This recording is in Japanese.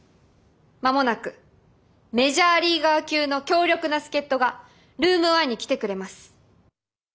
間もなくメジャーリーガー級の強力な助っとがルーム１に来てくれます。